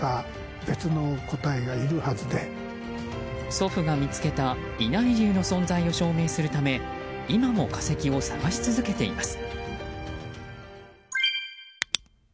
祖父が見つけたイナイリュウの存在を証明するため今も化石を探し続けています。